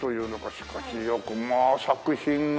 しかしいやまあ作品が。